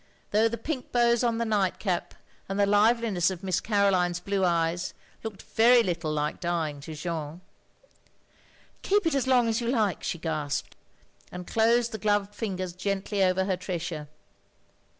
Though the pink bows on the night cap, and the liveliness of Miss Caroline's blue eyes looked very little like dying to Jeanne. " Keep it as long as you like, " she gasped, and closed the gloved fingers gently over her treasure.